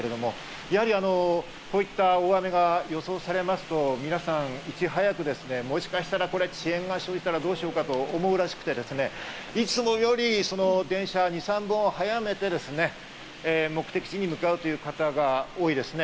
やはりこういった大雨が予想されますと、皆さん、いち早く、もしかしたらこれ遅延が生じたらどうしようかと思うらしくて、いつもより電車２３本早めて目的地に向かうという方が多いですね。